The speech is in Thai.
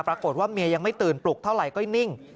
ปรากฏว่าเมียยังไม่ตื่นปลุกเท่าไหร่ก็นิ่ง